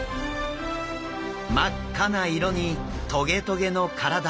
真っ赤な色にトゲトゲの体。